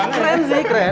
keren sih keren